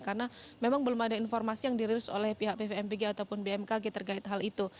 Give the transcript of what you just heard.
karena memang belum ada informasi yang dirilis oleh pihak bvmpg ataupun bmkg tergait hal itu